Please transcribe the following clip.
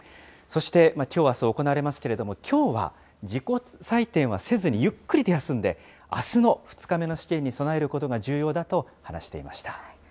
そして、きょう、あす行われますけれども、きょうは自己採点はせずにゆっくりと休んで、あすの２日目の試験に備えることが重要だと話していました。